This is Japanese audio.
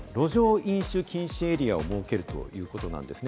１つは路上飲酒禁止エリアを設けるということなんですね。